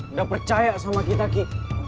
udah percaya sama kita ki